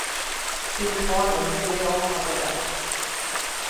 She was born in Cereal, Alberta.